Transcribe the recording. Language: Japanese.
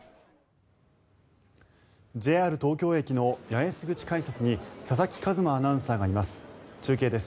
ＪＲ東京駅の八重洲口改札に佐々木一真アナウンサーがいます。